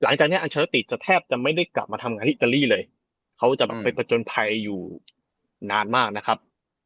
หลังจากนี้อัลเชอร์ติจะแทบจะไม่ได้กลับมาทำงานที่อิตาลีเลยเขาจะแบบไปผจญภัยอยู่นานมากนะครับ